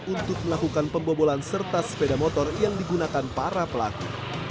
untuk melakukan pembobolan serta sepeda motor yang digunakan para pelaku